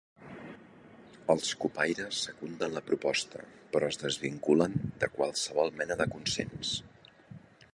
Els cupaires secunden la proposta, però es desvinculen de qualsevol mena de consens.